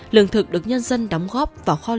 lương thực được nhân dân đóng góp vào kho